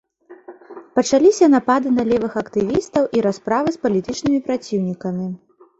Пачаліся напады на левых актывістаў і расправы з палітычнымі праціўнікамі.